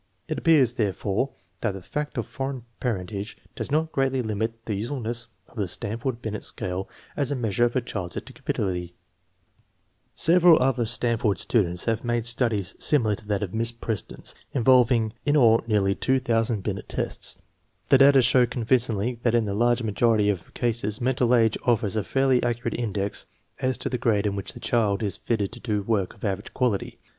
It ap pears, therefore, that the fact of foreign parentage does not greatly limit the usefulness of the Stanf ord Binet scale as a measure of a child's educability . Several other Stanford students have made studies similar to that of Miss Preston's, involving in all nearly two thousand Binet tests. The data show convincingly that in the large majority of cases mental age offers a fairly accu rate index as to the grade in which the child is fitted to do work of average quality.